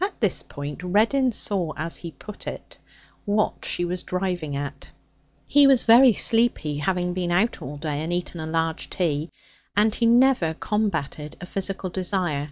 At this point Reddin saw, as he put it, what she was driving at. He was very sleepy, having been out all day and eaten a large tea, and he never combated a physical desire.